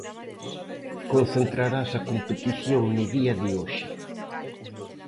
Concentrarase a competición no día de hoxe.